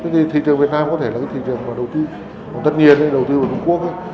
thì thị trường việt nam có thể là thị trường đầu tư tất nhiên đầu tư vào trung quốc